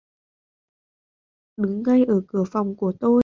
Đứng ngay ở cửa phòng của tôi